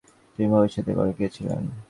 তিনি ভবিষ্যতবাণী করে গিয়েছিলেন।